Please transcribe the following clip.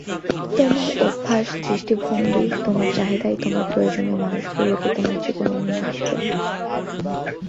তোমার অভ্যাস, দৃষ্টিভঙ্গি, তোমার চাহিদাই তোমার প্রয়োজনীয় মানুষগুলোকে তোমার জীবনে নিয়ে আসবে।